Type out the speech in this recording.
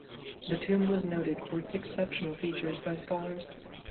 The tomb was noted for its exceptional features by scholars.